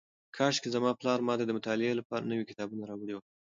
کاشکې زما پلار ماته د مطالعې لپاره نوي کتابونه راوړي وای.